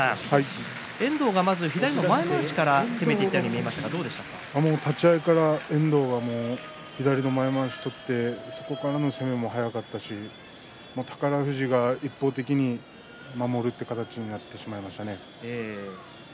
遠藤がまず左の前まわしから攻めていったように見えましたが立ち合いから遠藤が左の前まわしを取ってそこからの攻めも速かったし宝富士が一方的に守るという形になってしまいましたね。